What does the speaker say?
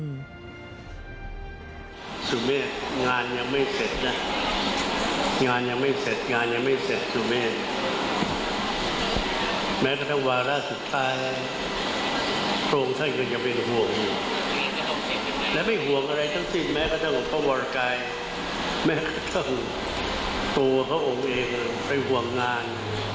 ตัวเขาองค์เองไปห่วงงาน